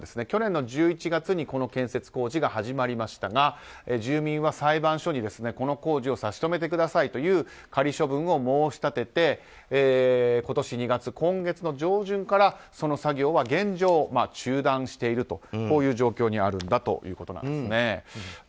去年１１月にこの建設工事が始まりましたが住民は裁判所に、この工事を差し止めてくださいという仮処分を申し立てて今年２月、今月の上旬からその作業は現状、中断しているとこういう状況にあるということで。